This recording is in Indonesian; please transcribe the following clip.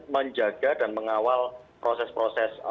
menjaga dan mengawal proses proses